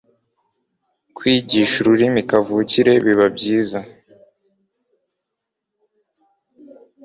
Kwigisha ururimi kavukire biba byiza